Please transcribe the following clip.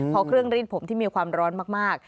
เพราะเครื่องรีดผมที่มีความร้อนมาก